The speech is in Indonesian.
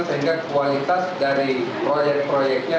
sehingga kualitas dari proyek proyeknya